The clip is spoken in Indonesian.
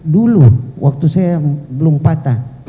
dulu waktu saya belum patah